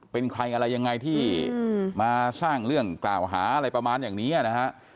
เป็นใครอะไรยังไงที่มาสร้างเรื่องกล่าวหาอะไรประมาณอย่างนี้นะฮะ